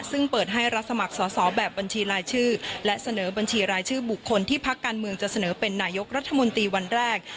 ซึ่งเปิดให้รับสมัครสอบแบบบัญชีรายชื่อและเสนอบัญชีรายชื่อบุคคลที่พักการเมืองจะเสนอเป็นนายกรัฐมนตรีวันแรก